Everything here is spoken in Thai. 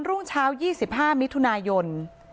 รุ่งเช้า๒๕มิถุนายน